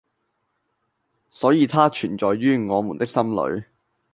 所以它存在於我們的心裏！